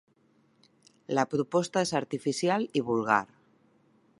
La proposta és artificial i vulgar.